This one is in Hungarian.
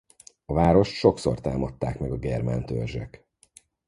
A várost sokszor támadták meg a germán törzsek.